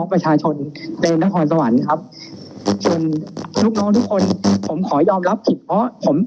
ประชาชนเป็นนครสวรรค์ครับส่วนลูกน้องทุกคนผมขอยอมรับผิดเพราะผม